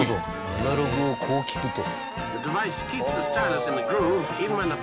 アナログをこう聴くと。